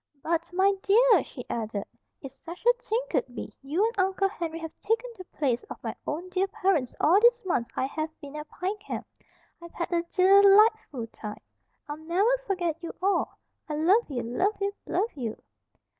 "But, my dear!" she added, "if such a thing could be, you and Uncle Henry have taken the place of my own dear parents all these months I have been at Pine Camp. I've had a dee lightful time. I'll never forget you all. I love you, love you, love you."